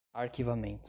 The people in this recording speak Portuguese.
arquivamento